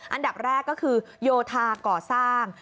อันดับแรกก็คือโยธาก่อสร้าง